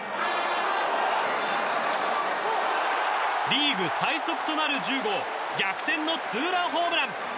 リーグ最速となる１０号逆転のツーランホームラン！